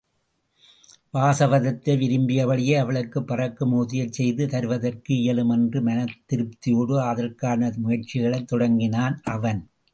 வாசவதத்தை விரும்பியபடியே அவளுக்குப் பறக்கும் ஊர்தியைச் செய்து தருவதற்கு இயலும் என்ற மனத்திருப்தியோடு அதற்கான முயற்சிகளைத் தொடங்கினான் அவன்.